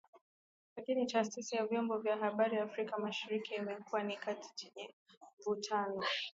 Lakini Taasisi ya Vyombo vya Habari Afrika Mashariki imekuwa ni kitu chenye mvutano